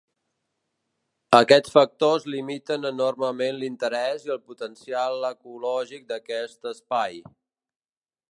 Aquests factors limiten enormement l'interès i el potencial ecològic d'aquest espai.